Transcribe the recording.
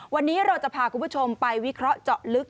วันนี้เราจะพาคุณผู้ชมไปวิเคราะห์เจาะลึก